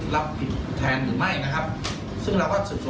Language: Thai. มันก็เขาก็ให้การสับสนพวกคุณไปมหานะครับเดี๋ยวขอถึงประสบส่วนก่อนนะครับ